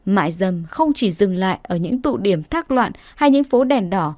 mại dâm không chỉ dừng lại ở những tụ điểm thác loạn hay những phố đèn đỏ